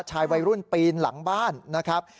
ชายวัยรุ่นปีนหลังบ้านนะครับ